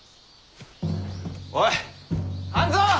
おい半蔵！